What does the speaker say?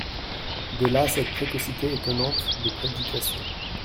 De là cette précocité étonnante de prédication.